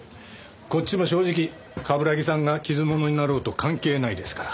こっちも正直冠城さんが傷物になろうと関係ないですから。